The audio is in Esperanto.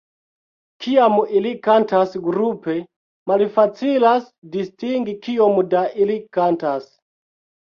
Kiam ili kantas grupe, malfacilas distingi kiom da ili kantas.